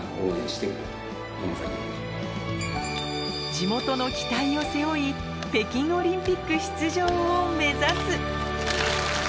地元の期待を背負い北京オリンピック出場を目指す